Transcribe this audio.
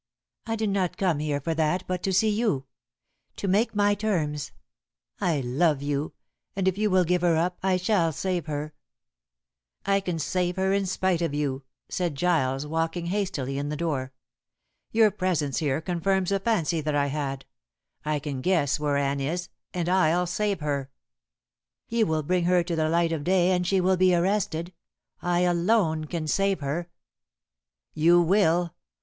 "I did not come here for that, but to see you. To make my terms. I love you, and if you will give her up, I shall save her " "I can save her in spite of you," said Giles, walking hastily in the door. "Your presence here confirms a fancy that I had. I can guess where Anne is, and I'll save her." "You will bring her to the light of day and she will be arrested. I alone can save her." "You will.